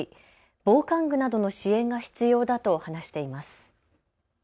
防寒具などの支援が必要だと話しています。